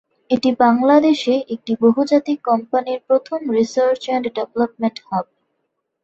এটি বাংলাদেশে একটি বহুজাতিক কোম্পানির প্রথম রিসার্চ অ্যান্ড ডেভেলপমেন্ট হাব।